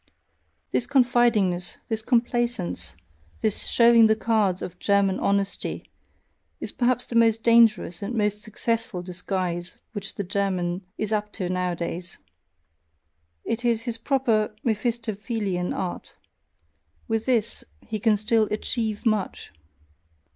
This confidingness, this complaisance, this showing the cards of German HONESTY, is probably the most dangerous and most successful disguise which the German is up to nowadays: it is his proper Mephistophelean art; with this he can "still achieve much"!